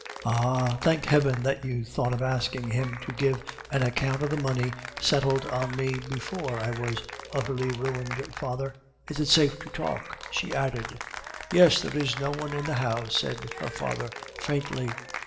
"Ah! thank heaven that you thought of asking him to give an account of the money settled on me before I was utterly ruined, father. Is it safe to talk?" she added. "Yes, there is no one in the house," said her father faintly.